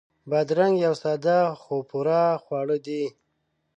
بادرنګ یو ساده خو پوره خواړه دي.